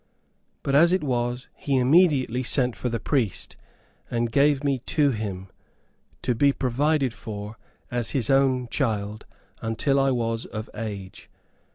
But as it was, he immediately sent for the priest, and gave me to him, to be provided for, as his own child, until I was of age.